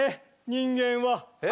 人間は。